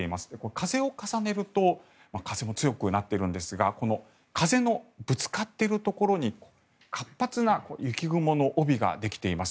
風を重ねると風も強くなっているんですがこの風のぶつかっているところに活発な雪雲の帯ができています。